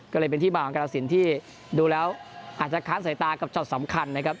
ก็เลยเป็นที่มาของกรสินที่ดูแล้วอาจจะค้านสายตากับช็อตสำคัญนะครับ